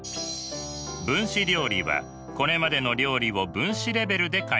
分子料理はこれまでの料理を分子レベルで解析。